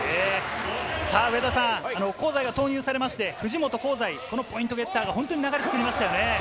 上田さん、香西が投入されまして、藤本、香西、ポイントゲッターが流れを作りましたね。